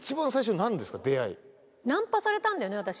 ナンパされたんだよね私。